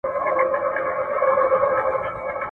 ولسي جرګه به په دوامداره توګه د کانونو د رايستلو څارنه کوي.